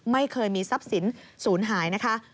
ไม่เคยมีทรัพย์สินศูนย์หายนะคะ